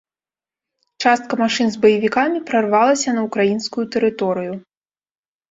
Частка машын з баевікамі прарвалася на ўкраінскую тэрыторыю.